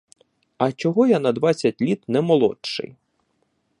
І чого я на двадцять літ не молодший!